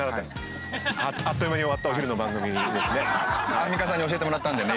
アンミカさんに教えてもらったんでね